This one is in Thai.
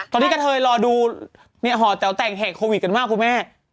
ตอนนี้กระเทยรอดูหอแต๋วแต่งแหกโควิดกันมากคุณแม่